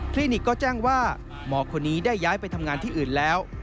ลินิกก็แจ้งว่าหมอคนนี้ได้ย้ายไปทำงานที่อื่นแล้ว